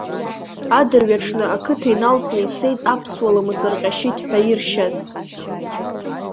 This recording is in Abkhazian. Адырҩаҽны ақыҭа иналҵны ицеит аԥсуа ламыс рҟьашьит ҳәа иршьаз.